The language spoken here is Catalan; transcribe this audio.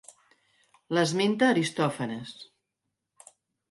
L'esmenta Aristòfanes.